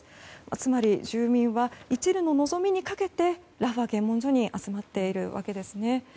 つまり、住民はいちるの望みにかけてラファ検問所に集まっているわけですね。